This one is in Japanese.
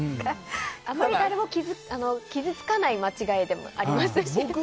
あんまり誰も傷つかない間違いでもありますしね。